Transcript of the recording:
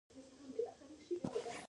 افغانستان په کندهار غني دی.